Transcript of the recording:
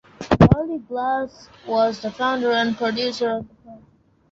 Charlie Glass was the founder and producer of the project.